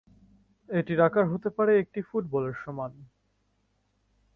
এটির আকার হতে পারে একটি ফুটবলের সমান।